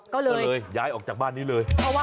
ก็เลยย้ายออกจากบ้านนี้เลย